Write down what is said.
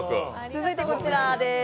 続いてこちらです。